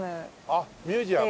あっミュージアム。